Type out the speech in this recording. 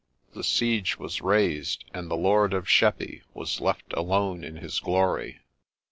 The siege was raised, and the Lord of Sheppey was left alone in his glory.